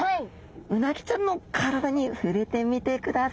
うなぎちゃんの体に触れてみてください。